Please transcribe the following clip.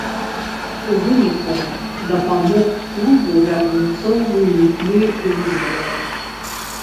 У выніку дапамог клубу вярнуцца ў элітны дывізіён.